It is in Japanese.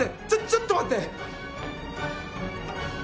ちょっと待って！